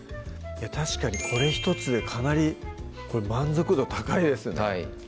確かにこれ１つでかなり満足度高いですね